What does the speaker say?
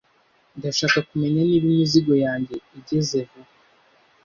Ndashaka kumenya niba imizigo yanjye igeze vuba.